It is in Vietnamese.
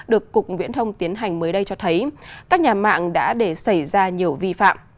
được cục viễn thông tiến hành mới đây cho thấy các nhà mạng đã để xảy ra nhiều vi phạm